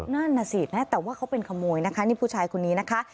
นั่นน่ะสินะแต่ว่าเขาเป็นขโมยนะคะนี่ผู้ชายคนนี้นะคะ